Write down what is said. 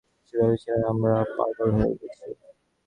সে ভেবেছিলো আমরা পাগল হয়ে গেছি।